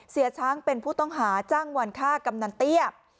เสียช้างเป็นผู้ต้องหาจ้างวันฆ่ากำนันเตี้ย